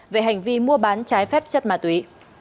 về hành vi mua bán trái phép chất ma túy